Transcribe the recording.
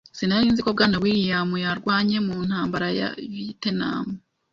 Sinari nzi ko Bwana Williams yarwanye mu ntambara ya Vietnam.